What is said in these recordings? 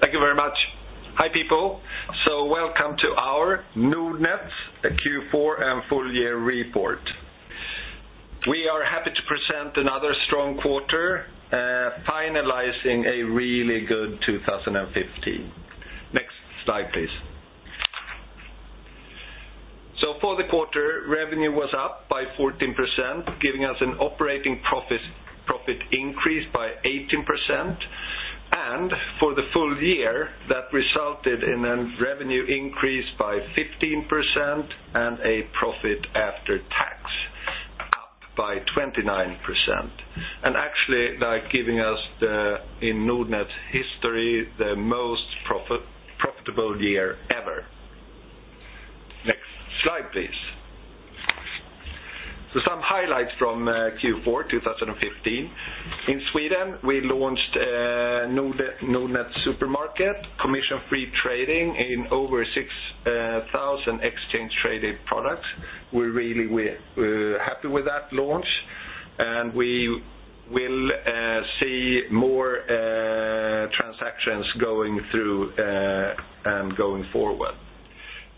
Thank you very much. Hi, people. Welcome to our Nordnet Q4 and full year report. We are happy to present another strong quarter, finalizing a really good 2015. Next slide, please. For the quarter, revenue was up by 14%, giving us an operating profit increase by 18%. For the full year, that resulted in a revenue increase by 15% and a profit after tax up by 29%. Actually, giving us, in Nordnet history, the most profitable year ever. Next slide, please. Some highlights from Q4 2015. In Sweden, we launched Nordnet Supermarket, commission-free trading in over 6,000 exchange-traded products. We're really happy with that launch, and we will see more transactions going through and going forward.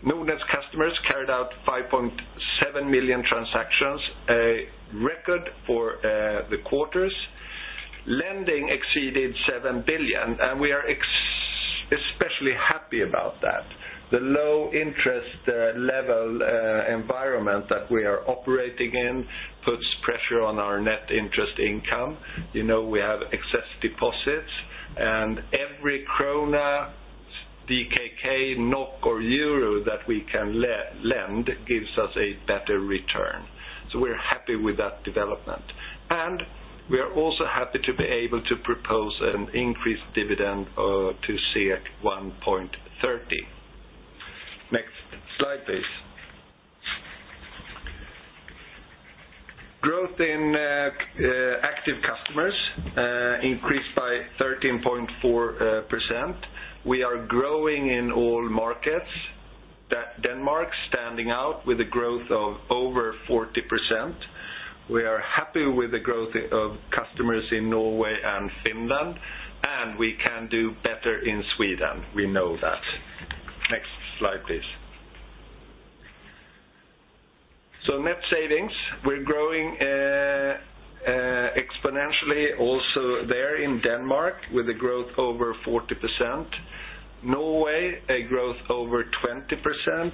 Nordnet customers carried out 5.7 million transactions, a record for the quarters. Lending exceeded 7 billion, and we are especially happy about that. The low interest level environment that we are operating in puts pressure on our net interest income. We have excess deposits, and every SEK, DKK, NOK, or EUR that we can lend gives us a better return. We're happy with that development. We are also happy to be able to propose an increased dividend to 1.30. Next slide, please. Growth in active customers increased by 13.4%. We are growing in all markets, Denmark standing out with a growth of over 40%. We are happy with the growth of customers in Norway and Finland, and we can do better in Sweden. We know that. Next slide, please. Net savings, we're growing exponentially also there in Denmark with a growth over 40%. Norway, a growth over 20%.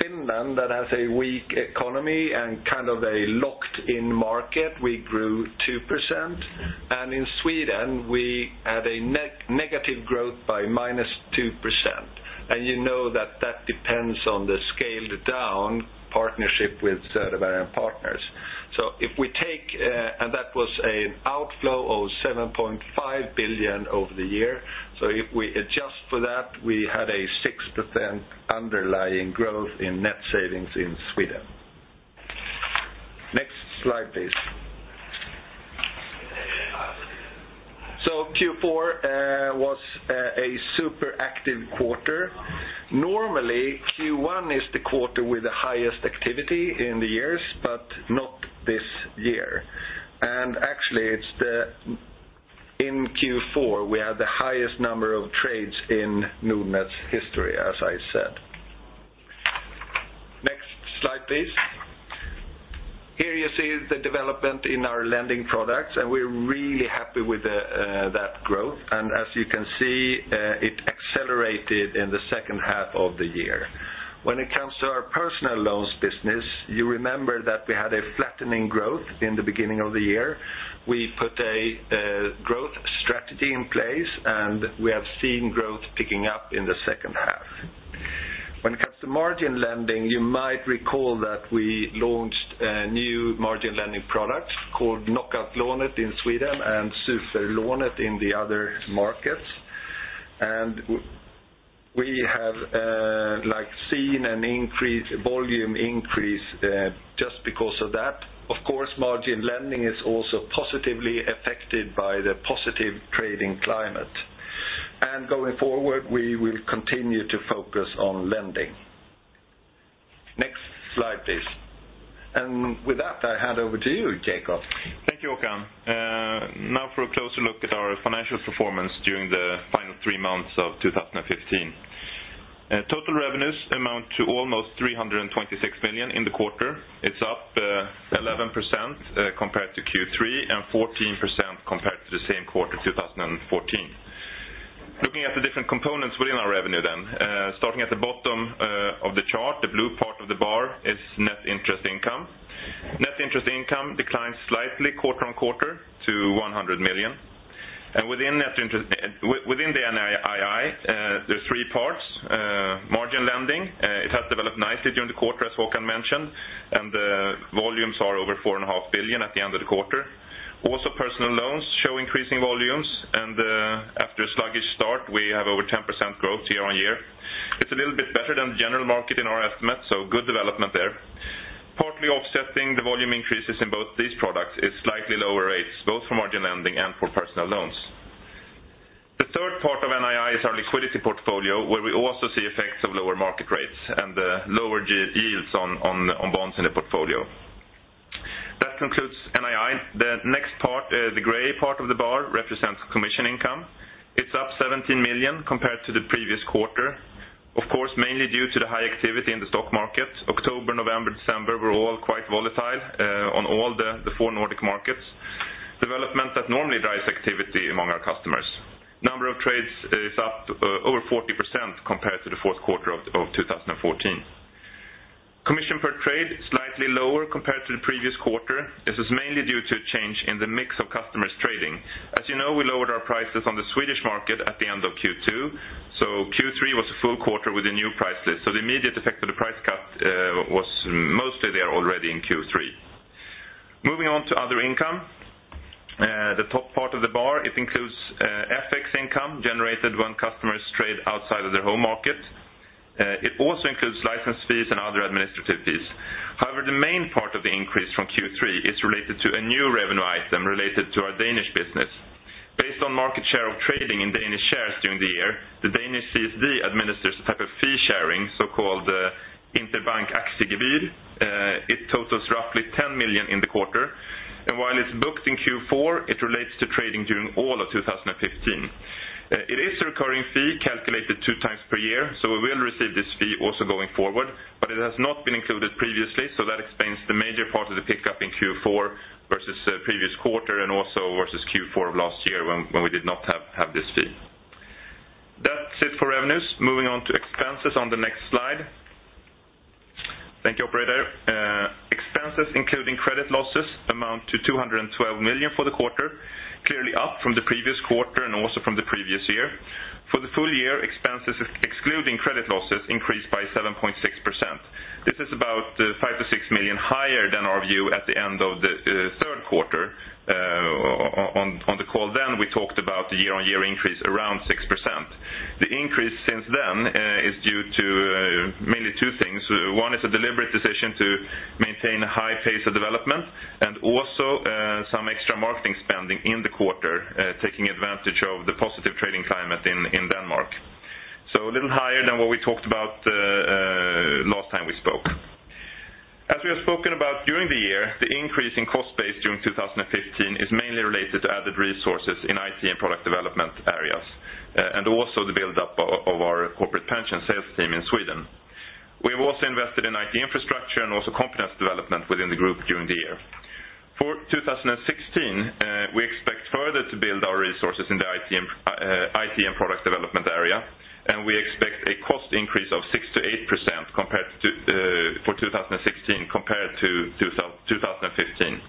Finland, that has a weak economy and a locked-in market, we grew 2%. In Sweden, we had a negative growth by minus 2%. You know that depends on the scaled-down partnership with Söderberg & Partners. That was an outflow of 7.5 billion over the year. If we adjust for that, we had a 6% underlying growth in net savings in Sweden. Next slide, please. Q4 was a super active quarter. Normally, Q1 is the quarter with the highest activity in the years, but not this year. Actually, in Q4, we had the highest number of trades in Nordnet's history, as I said. Next slide, please. Here you see the development in our lending products, and we're really happy with that growth. As you can see, it accelerated in the second half of the year. When it comes to our personal loans business, you remember that we had a flattening growth in the beginning of the year. We put a growth strategy in place, and we have seen growth picking up in the second half. When it comes to margin lending, you might recall that we launched a new margin lending product called Knockoutlånet in Sweden and Superlånet in the other markets. We have seen a volume increase just because of that. Of course, margin lending is also positively affected by the positive trading climate. Going forward, we will continue to focus on lending. Next slide, please. With that, I hand over to you, Jacob. Thank you, Håkan. Now for a closer look at our financial performance during the final three months of 2015. Total revenues amount to almost 326 million in the quarter. It's up 11% compared to Q3 and 14% compared to the same quarter 2014. Looking at the different components within our revenue, starting at the bottom of the chart, the blue part of the bar is net interest income. Net interest income declined slightly quarter-on-quarter to 100 million. Within the NII, there's three parts. Margin lending, it has developed nicely during the quarter, as Håkan mentioned, and the volumes are over 4.5 billion at the end of the quarter. Also, personal loans show increasing volumes, and after a sluggish start, we have over 10% growth year-on-year. It's a little bit better than the general market in our estimate, good development there. Partly offsetting the volume increases in both these products is slightly lower rates, both for margin lending and for personal loans. The third part of NII is our liquidity portfolio, where we also see effects of lower market rates and lower yields on bonds in the portfolio. That concludes NII. The next part, the gray part of the bar represents commission income. It's up 17 million compared to the previous quarter. Of course, mainly due to the high activity in the stock market. October, November, December were all quite volatile on all the four Nordic markets. Development that normally drives activity among our customers. Number of trades is up over 40% compared to the fourth quarter of 2014. Commission per trade is slightly lower compared to the previous quarter. This is mainly due to a change in the mix of customers trading. As you know, we lowered our prices on the Swedish market at the end of Q2, Q3 was a full quarter with a new price list. The immediate effect of the price cut was mostly there already in Q3. Moving on to other income. The top part of the bar, it includes FX income generated when customers trade outside of their home market. It also includes license fees and other administrative fees. However, the main part of the increase from Q3 is related to a new revenue item related to our Danish business. Based on market share of trading in Danish shares during the year, the Danish CSD administers a type of fee sharing, so-called Interbank Aktiegebyr. It totals roughly 10 million in the quarter. While it's booked in Q4, it relates to trading during all of 2015. It is a recurring fee calculated two times per year, we will receive this fee also going forward, it has not been included previously, that explains the major part of the pickup in Q4 versus the previous quarter and also versus Q4 of last year when we did not have this fee. That's it for revenues. Moving on to expenses on the next slide. Thank you, operator. Expenses, including credit losses, amount to 212 million for the quarter, clearly up from the previous quarter and also from the previous year. For the full year, expenses excluding credit losses increased by 7.6%. This is about 5 million-6 million higher than our view at the end of the third quarter. On the call, we talked about the year-on-year increase around 6%. The increase since then is due to mainly two things. One is a deliberate decision to maintain a high pace of development and also some extra marketing spending in the quarter, taking advantage of the positive trading climate in Denmark. A little higher than what we talked about last time we spoke. As we have spoken about during the year, the increase in cost base during 2015 is mainly related to added resources in IT and product development areas, and also the buildup of our corporate pension sales team in Sweden. We have also invested in IT infrastructure and also competence development within the group during the year. For 2016, we expect further to build our resources in the IT and product development area, and we expect a cost increase of 6%-8% for 2016 compared to 2015.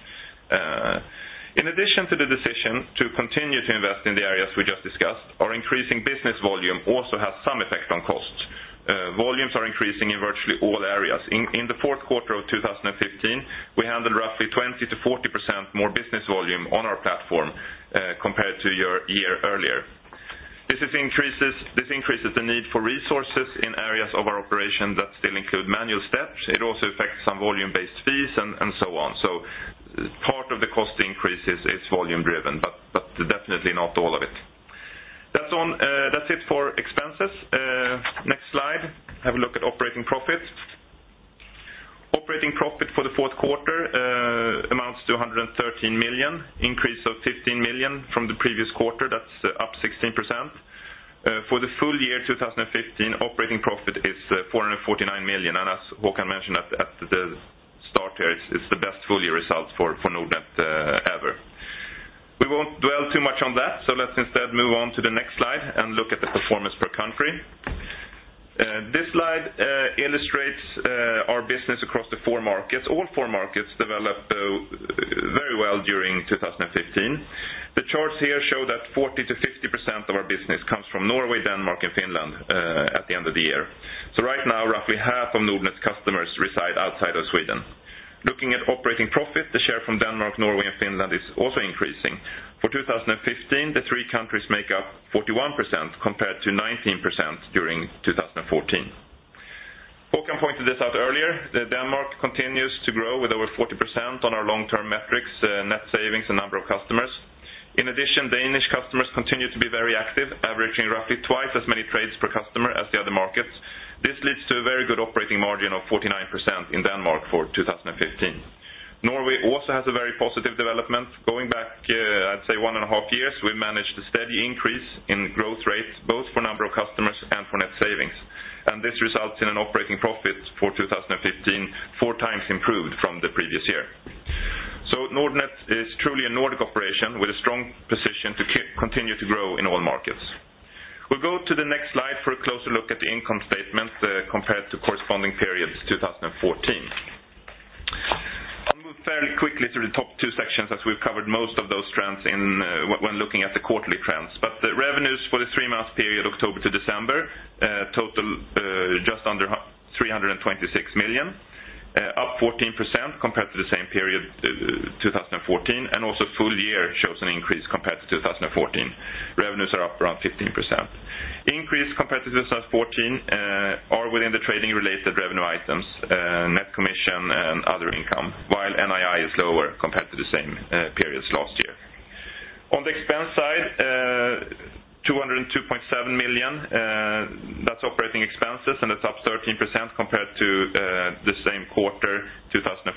In addition to the decision to continue to invest in the areas we just discussed, our increasing business volume also has some effect on cost. Volumes are increasing in virtually all areas. In the fourth quarter of 2015, we handled roughly 20%-40% more business volume on our platform compared to a year earlier. This increases the need for resources in areas of our operation that still include manual steps. It also affects some volume-based fees and so on. Part of the cost increase is volume-driven, but definitely not all of it. That's it for expenses. Next slide, have a look at operating profits. Operating profit for the fourth quarter amounts to 113 million, increase of 15 million from the previous quarter. That's up 16%. For the full year 2015, operating profit is 449 million. As Håkan mentioned at the start here, it's the best full year result for Nordnet ever. We won't dwell too much on that, let's instead move on to the next slide and look at the performance per country. This slide illustrates our business across the four markets. All four markets developed very well during 2015. The charts here show that 40%-50% of our business comes from Norway, Denmark, and Finland at the end of the year. Right now, roughly half of Nordnet's customers reside outside of Sweden. Looking at operating profit, the share from Denmark, Norway, and Finland is also increasing. For 2015, the three countries make up 41% compared to 19% during 2014. Håkan pointed this out earlier, Denmark continues to grow with over 40% on our long-term metrics, net savings, and number of customers. In addition, Danish customers continue to be very active, averaging roughly twice as many trades per customer as the other markets. This leads to a very good operating margin of 49% in Denmark for 2015. Norway also has a very positive development. Going back, I'd say one and a half years, we managed a steady increase in growth rates, both for number of customers and for net savings. This results in an operating profit for 2015, four times improved from the previous year. Nordnet is truly a Nordic operation with a strong position to continue to grow in all markets. We'll go to the next slide for a closer look at the income statement compared to corresponding periods 2014. I'll move fairly quickly through the top two sections as we've covered most of those trends when looking at the quarterly trends. The revenues for the three-month period, October to December, total just under 326 million, up 14% compared to the same period, 2014. Also full year shows an increase compared to 2014. Revenues are up around 15%. Increase compared to 2014 is within the trading-related revenue items, net commission and other income, while NII is lower compared to the same period last year, SEK 202.7 million. That is operating expenses, and it is up 13% compared to the same quarter 2014.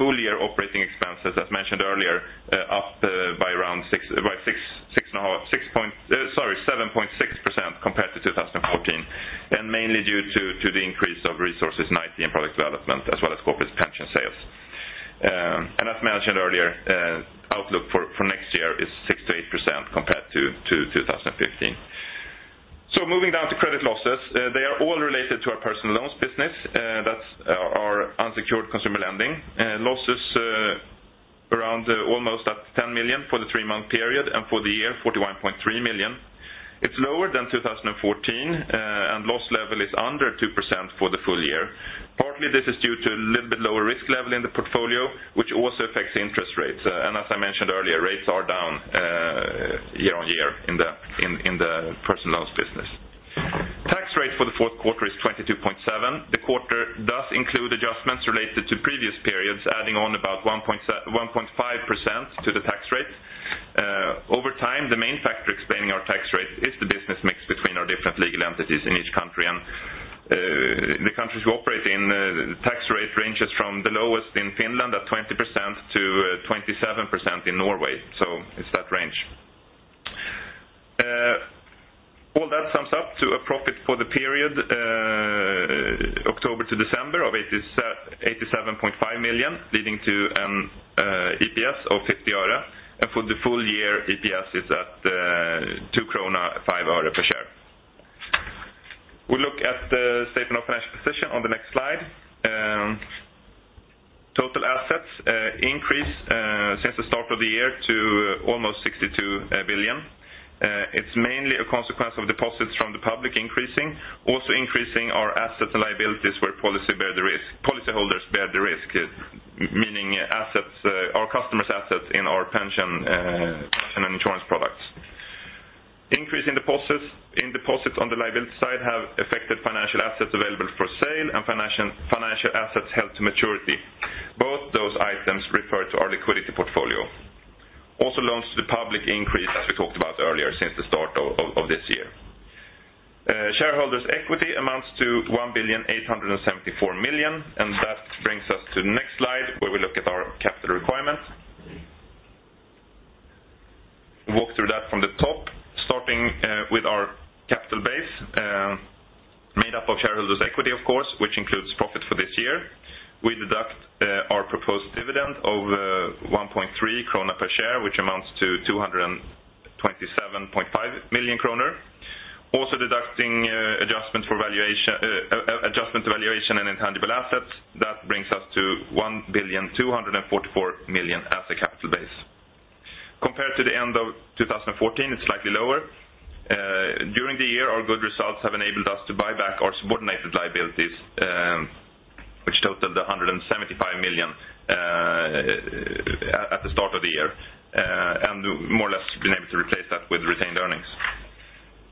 Full-year operating expenses, as mentioned earlier, up by around 7.6% compared to 2014. Mainly due to the increase of resources in IT and product development, as well as corporate pension sales. As mentioned earlier, outlook for next year is 6%-8% compared to 2015. Moving down to credit losses, they are all related to our personal loans business. That is our unsecured consumer lending. Losses around almost at 10 million for the three-month period, and for the year, 41.3 million. It is lower than 2014, and loss level is under 2% for the full year. Partly this is due to a little bit lower risk level in the portfolio, which also affects the interest rates. As I mentioned earlier, rates are down year-on-year in the personal loans business. Tax rate for the fourth quarter is 22.7%. The quarter does include adjustments related to previous periods, adding on about 1.5% to the tax rate. Over time, the main factor explaining our tax rate is the business mix between our different legal entities in each country. The countries we operate in, the tax rate ranges from the lowest in Finland at 20%-27% in Norway. It is that range. All that sums up to a profit for the period October to December of 87.5 million, leading to an EPS of SEK 0.50. For the full year, EPS is at SEK 2.05 per share. We look at the statement of financial position on the next slide. Total assets increased since the start of the year to almost 62 billion. It is mainly a consequence of deposits from the public increasing. Also increasing are assets and liabilities where policyholders bear the risk, meaning our customers' assets in our pension and insurance products. Increase in deposits on the liability side has affected financial assets available for sale and financial assets held to maturity. Both those items refer to our liquidity portfolio. Also loans to the public increased, as we talked about earlier, since the start of this year. Shareholders' equity amounts to 1,874 million. That brings us to the next slide, where we look at our capital requirements. Walk through that from the top, starting with our capital base, made up of shareholders' equity, of course, which includes profit for this year. We deduct our proposed dividend of 1.3 krona per share, which amounts to 227.5 million kronor. Also deducting adjustment valuation in intangible assets. That brings us to 1,244 million as a capital base. Compared to the end of 2014, it is slightly lower. During the year, our good results have enabled us to buy back our subordinated liabilities, which totaled 175 million at the start of the year, and more or less been able to replace that with retained earnings.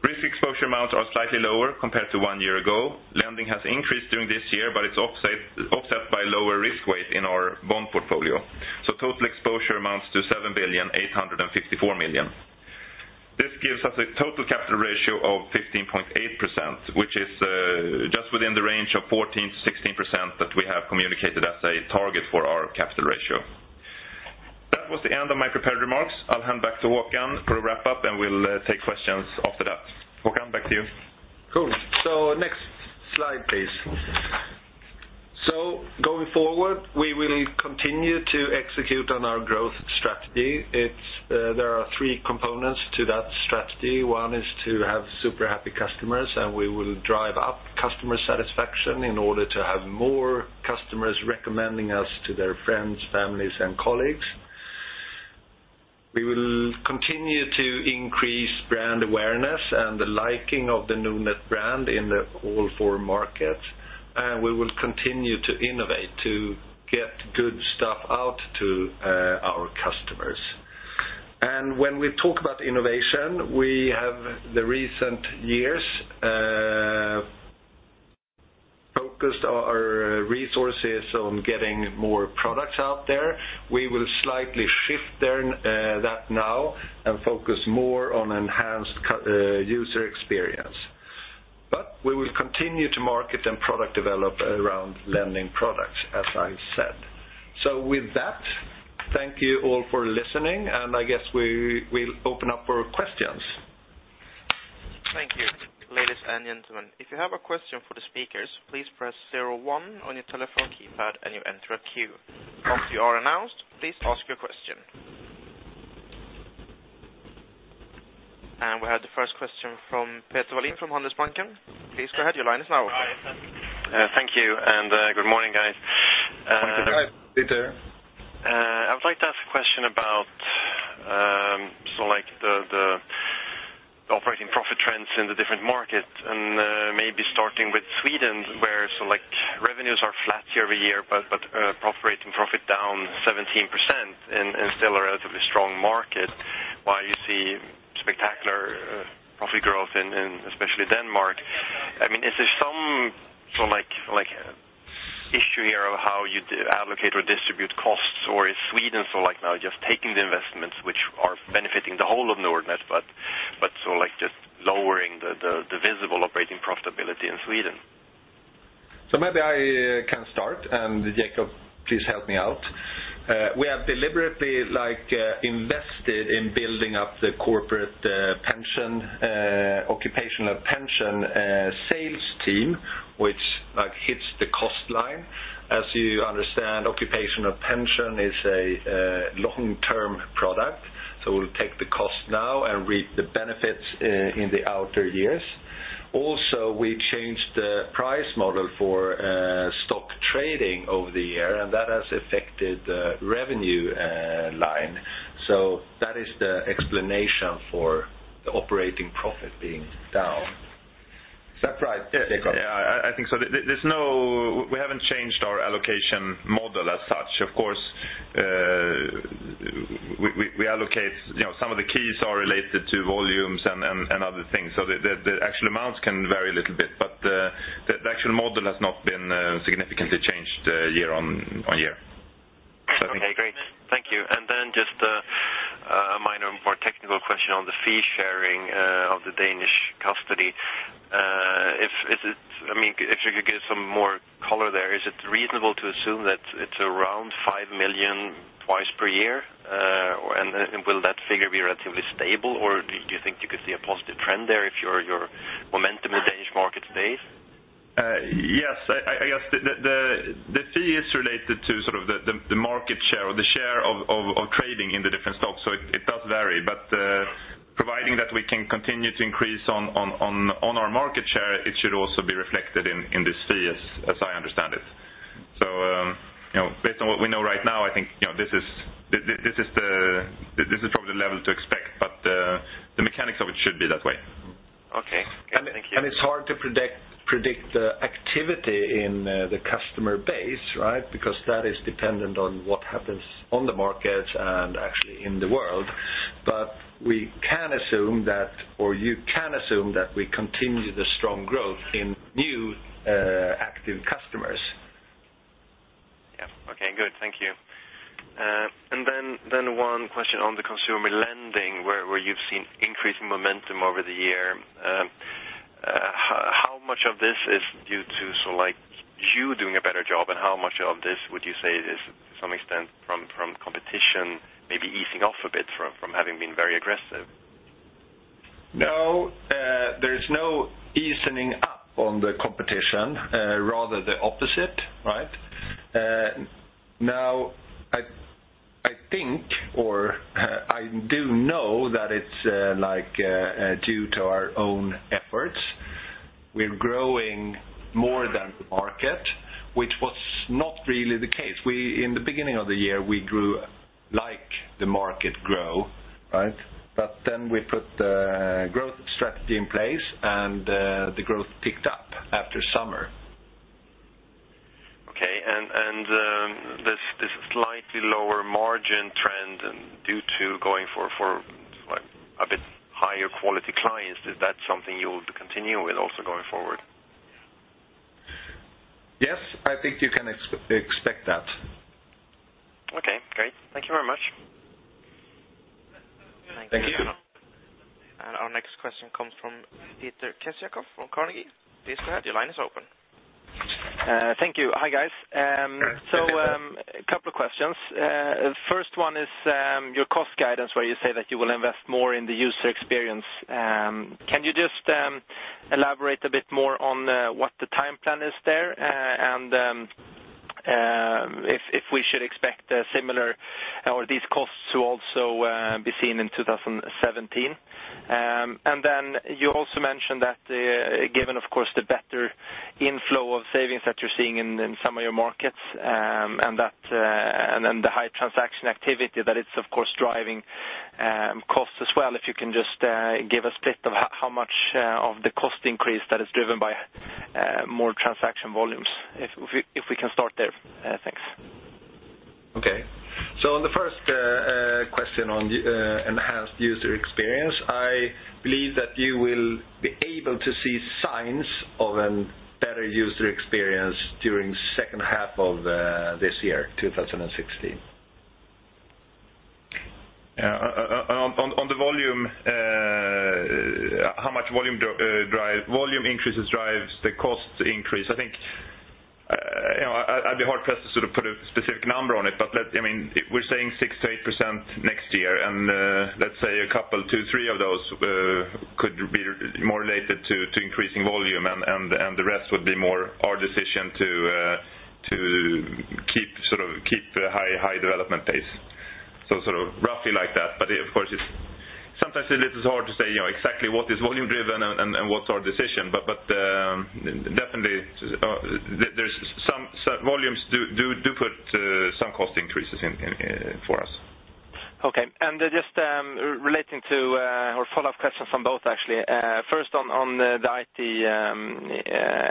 Risk exposure amounts are slightly lower compared to one year ago. Lending has increased during this year, but it's offset by lower risk weight in our bond portfolio. Total exposure amounts to 7,854 million. This gives us a total capital ratio of 15.8%, which is just within the range of 14%-16% that we have communicated as a target for our capital ratio. That was the end of my prepared remarks. I'll hand back to Håkan for a wrap-up, and we'll take questions after that. Håkan, back to you. Cool. Next slide, please. Going forward, we will continue to execute on our growth strategy. There are three components to that strategy. One is to have super happy customers, and we will drive up customer satisfaction in order to have more customers recommending us to their friends, families, and colleagues. We will continue to increase brand awareness and the liking of the Nordnet brand in all four markets, and we will continue to innovate to get good stuff out to our customers. When we talk about innovation, we have the recent years focused our resources on getting more products out there. We will slightly shift that now and focus more on enhanced user experience. We will continue to market and product develop around lending products, as I said. With that, thank you all for listening, and I guess we'll open up for questions. Thank you. Ladies and gentlemen, if you have a question for the speakers, please press 01 on your telephone keypad and you enter a queue. Once you are announced, please ask your question. We have the first question from Peter Wallin from Handelsbanken. Please go ahead, your line is now open. Hi. Thank you. Good morning, guys. Good morning, Peter. I would like to ask a question about the operating profit trends in the different markets, maybe starting with Sweden, where revenues are flat year-over-year, operating profit down 17% and still a relatively strong market while you see spectacular profit growth in especially Denmark. Is there some Sweden. Now just taking the investments which are benefiting the whole of Nordnet, just lowering the visible operating profitability in Sweden. Maybe I can start, Jacob, please help me out. We have deliberately invested in building up the corporate pension, occupational pension sales team, which hits the cost line. As you understand, occupational pension is a long-term product, we'll take the cost now reap the benefits in the outer years. Also, we changed the price model for stock trading over the year, that has affected the revenue line. That is the explanation for the operating profit being down. Is that right, Jacob? Yeah, I think so. We haven't changed our allocation model as such. Of course, we allocate some of the keys are related to volumes and other things. The actual amounts can vary little bit, but the actual model has not been significantly changed year-on-year. Okay, great. Thank you. Just a minor, more technical question on the fee sharing of the Danish custody. If you could give some more color there, is it reasonable to assume that it's around 5 million twice per year? Will that figure be relatively stable, or do you think you could see a positive trend there if your momentum in Danish market stays? Yes. I guess the fee is related to the market share or the share of trading in the different stocks. It does vary. Providing that we can continue to increase on our market share, it should also be reflected in this fee as I understand it. Based on what we know right now, I think this is probably the level to expect, but the mechanics of it should be that way. Okay. Thank you. It's hard to predict the activity in the customer base, right? That is dependent on what happens on the market and actually in the world. We can assume that, or you can assume that we continue the strong growth in new active customers. Yeah. Okay, good. Thank you. One question on the consumer lending, where you've seen increasing momentum over the year. How much of this is due to you doing a better job, and how much of this would you say is to some extent from competition maybe easing off a bit from having been very aggressive? No. There is no easing up on the competition, rather the opposite. I think or I do know that it's due to our own efforts. We're growing more than the market, which was not really the case. In the beginning of the year, we grew like the market grow. We put the growth strategy in place, and the growth picked up after summer. Okay. This slightly lower margin trend due to going for a bit higher quality clients, is that something you'll continue with also going forward? I think you can expect that. Great. Thank you very much. Thank you. Our next question comes from Peter Kessiakoff from Carnegie. Please go ahead. Your line is open. Thank you. Hi, guys. Hi, Peter. A couple of questions. First one is your cost guidance where you say that you will invest more in the user experience. Can you just elaborate a bit more on what the time plan is there, and if we should expect similar or these costs to also be seen in 2017? You also mentioned that given, of course, the better inflow of savings that you're seeing in some of your markets and the high transaction activity that it's of course driving costs as well. If you can just give a split of how much of the cost increase that is driven by more transaction volumes. If we can start there. Thanks. Okay. On the first question on enhanced user experience, I believe that you will be able to see signs of a better user experience during second half of this year, 2016. On the volume, how much volume increases drives the cost increase. I think I'd be hard pressed to put a specific number on it. We're saying 6%-8% next year, and let's say a couple, two, three of those could be more related to increasing volume and the rest would be more our decision to keep the high development pace. Roughly like that. Of course, sometimes it is hard to say exactly what is volume driven and what's our decision. Definitely there's some volumes do put some cost increases in for us. Okay. Just relating to our follow-up questions on both actually. First on the IT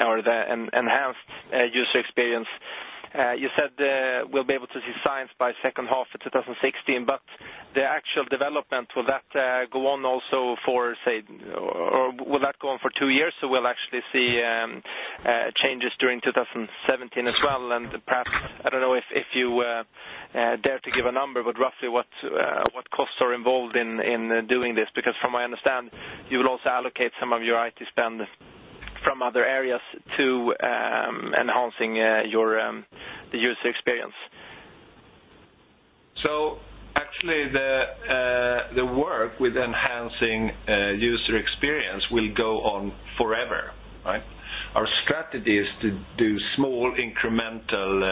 or the enhanced user experience. You said we'll be able to see signs by second half of 2016. The actual development, will that go on for two years, so we'll actually see changes during 2017 as well? Perhaps, I don't know if you dare to give a number, but roughly what costs are involved in doing this? From what I understand, you will also allocate some of your IT spend from other areas to enhancing the user experience. Actually, the work with enhancing user experience will go on forever. Our strategy is to do small incremental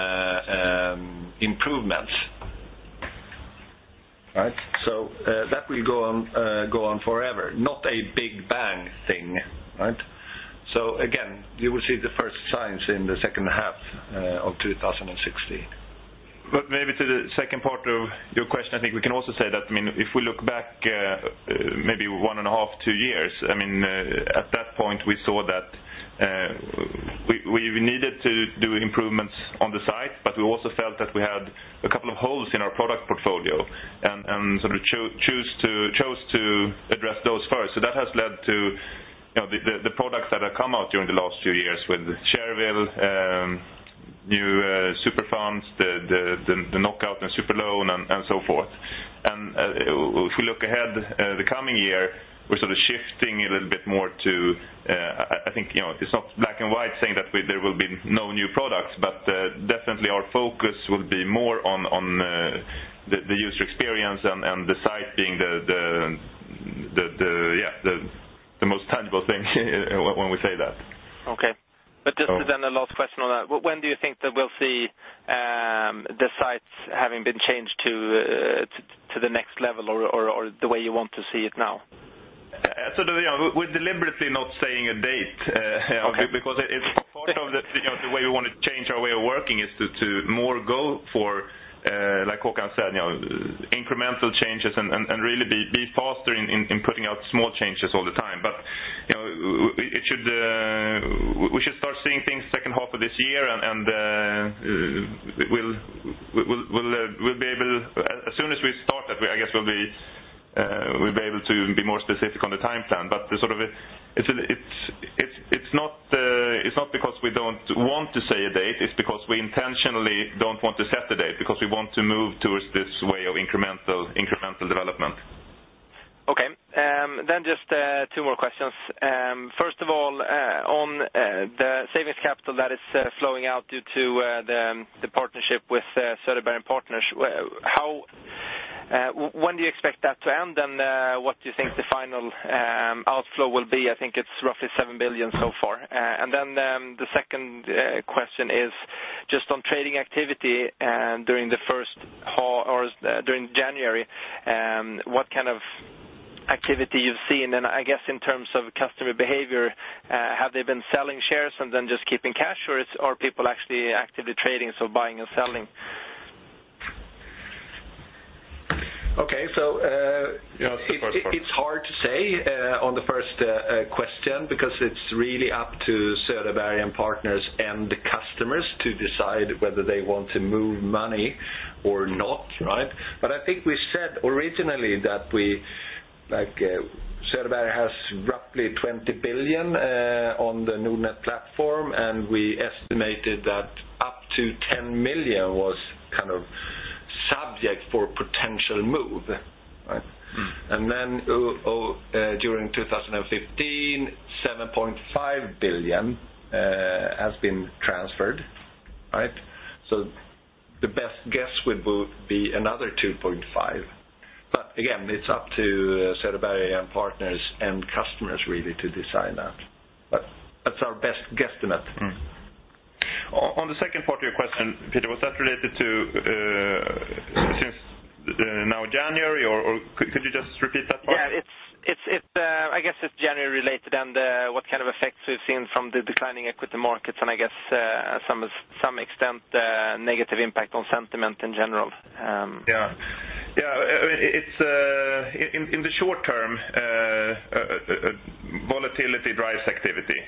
improvements. That will go on forever, not a big bang thing. Again, you will see the first signs in the second half of 2016. Maybe to the second part of your question, I think we can also say that, if we look back maybe one and a half, two years, at that point, we saw that we needed to do improvements on the site, but we also felt that we had a couple of holes in our product portfolio and chose to address those first. That has led to the products that have come out during the last few years with Shareville, new Super Funds, the Knock-Out and Super Loan, and so forth. If we look ahead the coming year, we're shifting a little bit more to, I think, it's not black and white saying that there will be no new products, but definitely our focus will be more on the user experience and the site being the most tangible thing when we say that. Okay. Just then the last question on that. When do you think that we'll see the sites having been changed to the next level or the way you want to see it now? We're deliberately not saying a date. Okay It's part of the way we want to change our way of working is to more go for, like Håkan said, incremental changes and really be faster in putting out small changes all the time. We should start seeing things second half of this year, and as soon as we start that, I guess we'll be able to be more specific on the time plan. It's not because we don't want to say a date, it's because we intentionally don't want to set a date because we want to move towards this way of incremental development. Okay. Just two more questions. First of all, on the savings capital that is flowing out due to the partnership with Söderberg & Partners, when do you expect that to end and what do you think the final outflow will be? I think it's roughly 7 billion so far. The second question is just on trading activity during January, what kind of activity you've seen, and I guess in terms of customer behavior, have they been selling shares and then just keeping cash, or are people actually actively trading, so buying and selling? Okay. Yes, the first part. It's hard to say on the first question because it's really up to Söderberg & Partners and the customers to decide whether they want to move money or not. I think we said originally that Söderberg has roughly 20 billion on the Nordnet platform, and we estimated that up to 10 billion was subject for potential move. During 2015, 7.5 billion has been transferred. The best guess would be another 2.5. Again, it's up to Söderberg & Partners and customers really to decide that. That's our best guesstimate. On the second part of your question, Peter, was that related to now January, or could you just repeat that part? Yeah. I guess it's January related and what kind of effects we've seen from the declining equity markets and I guess to some extent, negative impact on sentiment in general. Yeah. In the short term, volatility drives activity.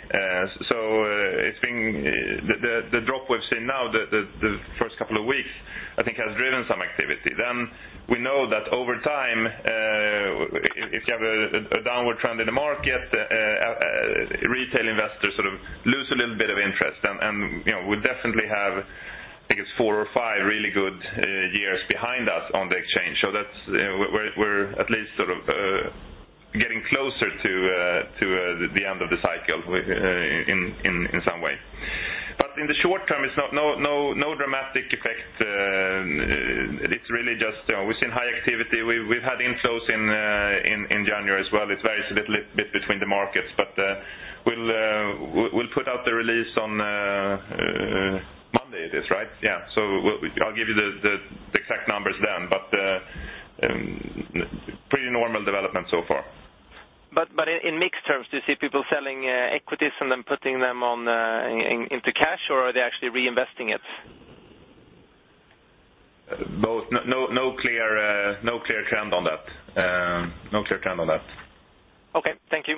The drop we've seen now, the first couple of weeks, I think has driven some activity. We know that over time, if you have a downward trend in the market, retail investors lose a little bit of interest. We definitely have, I guess, four or five really good years behind us on the exchange. We're at least getting closer to the end of the cycle in some way. In the short term, it's no dramatic effect. We've seen high activity. We've had inflows in January as well. It varies a little bit between the markets. We'll put out the release on Monday, is this right? Yeah. I'll give you the exact numbers then. Pretty normal development so far. In mixed terms, do you see people selling equities and then putting them into cash, or are they actually reinvesting it? Both. No clear trend on that. Okay. Thank you.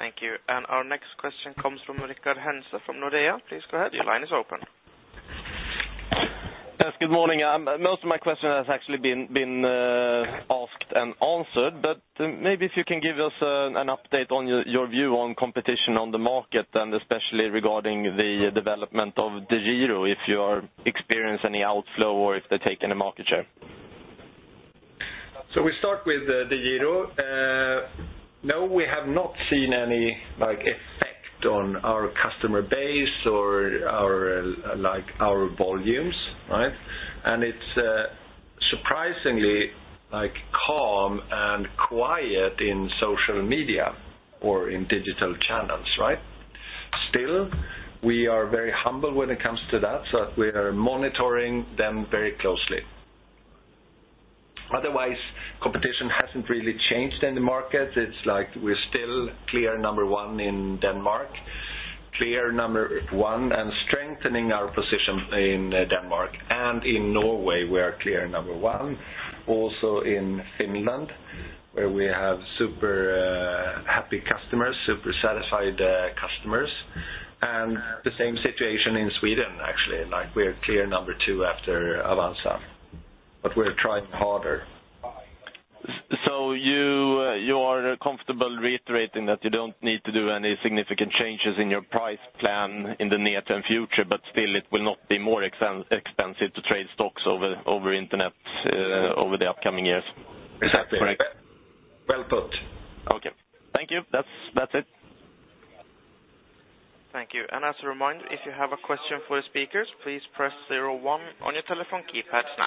Thank you. Our next question comes from Rickard Hellman from Nordea. Please go ahead. Your line is open. Yes, good morning. Most of my question has actually been asked and answered, maybe if you can give us an update on your view on competition on the market, and especially regarding the development of DEGIRO, if you experience any outflow or if they're taking the market share. We start with DEGIRO. No, we have not seen any effect on our customer base or our volumes. It's surprisingly calm and quiet in social media or in digital channels. Still, we are very humble when it comes to that, so we are monitoring them very closely. Otherwise, competition hasn't really changed in the market. It's like we're still clear number one in Denmark, clear number one, and strengthening our position in Denmark, and in Norway we are clear number one. Also in Finland, where we have super happy customers, super satisfied customers, and the same situation in Sweden, actually. We're clear number two after Avanza. We're trying harder. You are comfortable reiterating that you don't need to do any significant changes in your price plan in the near-term future, still it will not be more expensive to trade stocks over internet over the upcoming years. Is that correct? Well put. Okay. Thank you. That's it. Thank you. As a reminder, if you have a question for the speakers, please press 01 on your telephone keypad now.